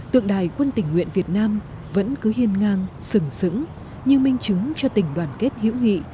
tượng đài quân tỉnh nguyện việt nam vẫn cứ hiên ngang sửng sững nhưng minh chứng cho tình đoàn kết hữu nghị